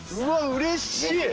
うれしい！